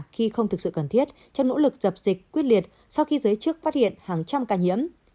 khi không thực sự cần thiết cho nỗ lực dập dịch quyết liệt sau khi giới chức phát hiện hàng trăm ca nhiễm